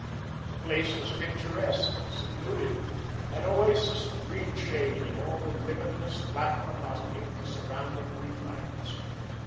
The place was picturesque, secluded, an oasis of green shade in all the limitless, flat monotony of the surrounding wheat lands.